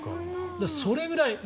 それぐらい。